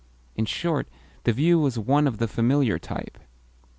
In short, the view was one of the familiar type.